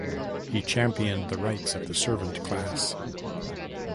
He championed the rights of the servant class.